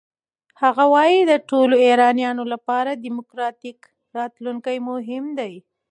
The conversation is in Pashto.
هغه وايي د ټولو ایرانیانو لپاره دموکراتیک راتلونکی مهم دی.